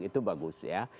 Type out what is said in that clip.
itu bagus ya